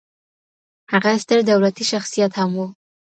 هغه ستر دولتي شخصیت هم و